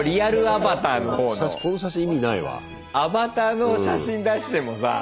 アバターの写真出してもさ。